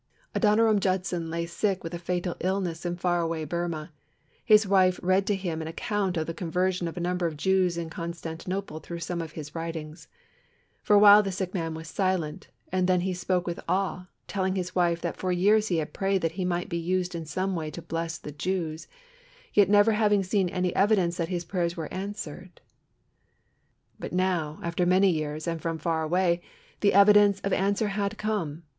Adoniram Judson lay sick with a fatal illness in far away Burmah. His wife read to him an account of the conversion of a number of Jews in Constantinople through some of his writings. For a while the sick man was silent, and then he spoke with awe, telling his wife that for years he had prayed that he might be used in some way to bless the Jews, yet never having seen any evidence that his prayers were answered; but now, after many years and from far away, the evidence of answer had come.